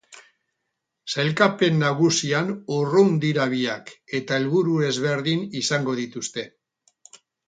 Sailkapen nagusian urrun dira biak eta helburu ezberdin izango dituzte.